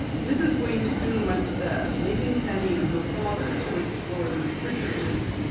Mrs. Weems soon went to bed, leaving Penny and her father to explore the refrigerator.